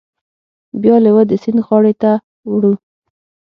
بیا لیوه د سیند غاړې ته وړو.